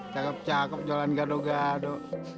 cakep cakep jualan gado gado